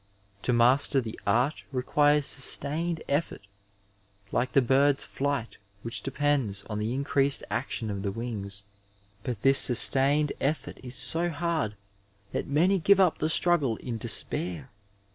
To master the art requires sustained eSort, like the bird's flight which depends on the incessauc; action of the wings, but this sustained effort is so hard that many give up the struggle in despair.